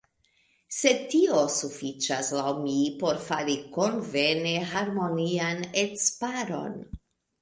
Sed tio sufiĉas, laŭ mi, por fari konvene harmonian edzparon.